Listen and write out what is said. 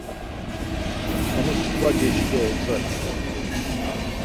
Hamus kva geçi do ogzali.